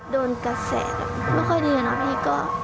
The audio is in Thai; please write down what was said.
โดนกระแสไม่ค่อยดีนะพี่